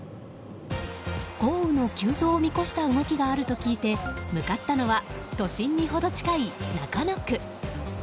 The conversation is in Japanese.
豪雨の急増を見越した動きがあると聞いて、向かったのは都心に程近い中野区。